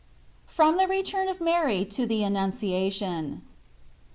15 FROM THE RETURN OF MARY TO THE ANNUNCIATION.